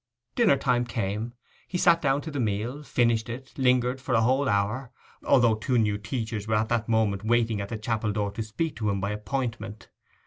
Dinner time came; he sat down to the meal, finished it, lingered on for a whole hour, although two new teachers were at that moment waiting at the chapel door to speak to him by appointment.